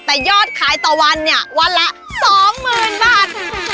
แต่ยอดขายต่อวันเนี่ยวันละ๒๐๐๐บาท